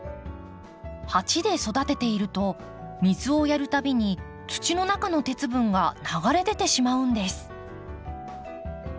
鉢で育てていると水をやる度に土の中の鉄分が流れ出てしまうんです。